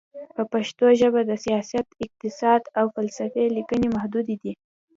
په پښتو ژبه د سیاست، اقتصاد، او فلسفې لیکنې محدودې دي.